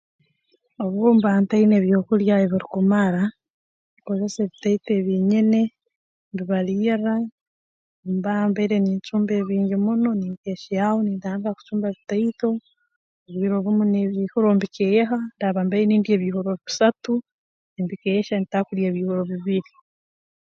Obu mba ntaine ebyokulya ebirukumara nkozesa ebitaito ebi nyine mbibalirra obu ndaaba mbaire nincumba ebingi muno ninkeehyaho nintandika kucumba bitaito obwire obumu n'ebiihuro mbikeeha obu ndaaba mbaire nindya ebiihuuro bisatu nimbikeehya nintandika kulya ebiihuro bibiri